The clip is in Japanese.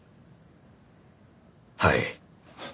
はい。